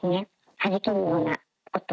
はじけるような音。